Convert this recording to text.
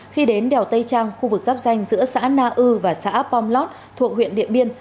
khi đến đèo tây trang khu vực giáp danh giữa xã na ư và xã pomlot thuộc huyện điện biên